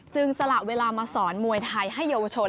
สละเวลามาสอนมวยไทยให้เยาวชน